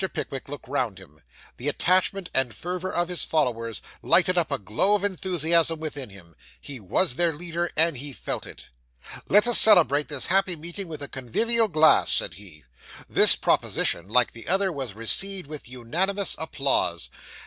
Pickwick looked round him. The attachment and fervour of his followers lighted up a glow of enthusiasm within him. He was their leader, and he felt it. 'Let us celebrate this happy meeting with a convivial glass,' said he. This proposition, like the other, was received with unanimous applause.